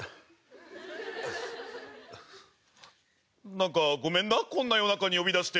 なんかごめんなこんな夜中に呼び出して。